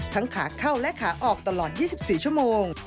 ขาเข้าและขาออกตลอด๒๔ชั่วโมง